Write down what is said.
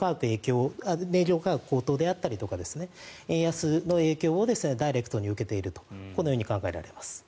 燃料価格高騰であったりとか円安の影響をダイレクトに受けているとこのように考えられます。